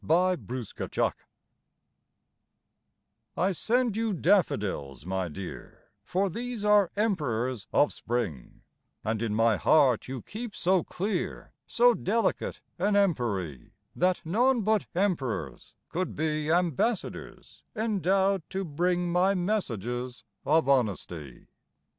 WITH DAFFODILS I send you daffodils, my dear, For these are emperors of spring, And in my heart you keep so clear So delicate an empery, That none but emperors could be Ambassadors endowed to bring My messages of honesty.